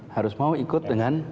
harus mau ikut dengan